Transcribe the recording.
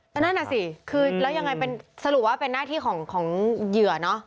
เอาล่ะน่ะสิคือและยังไงสรุปว่าเป็นหน้าที่ของเหยื่อ